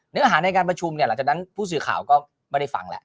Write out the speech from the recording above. เนื้ออาหารในการประชุมเนี่ยหลังจากนั้นผู้สื่อข่าวก็ไม่ได้ฟังแหละ